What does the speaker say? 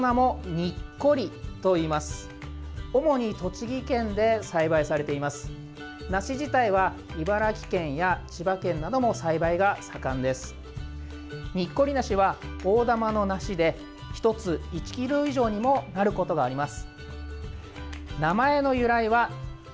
にっこり梨は大玉の梨で１つ、１ｋｇ以上にもなることがあります。